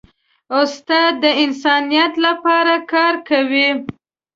استاد د انسانیت لپاره کار کوي.